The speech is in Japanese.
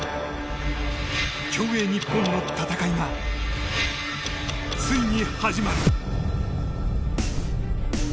競泳日本の戦いがついに始まる。